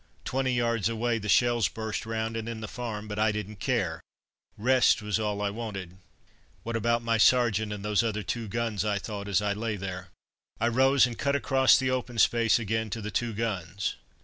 Twenty yards away the shells burst round and in the farm, but I didn't care, rest was all I wanted. "What about my sergeant and those other guns?" I thought, as I lay there. I rose, and cut across the open space again to the two guns.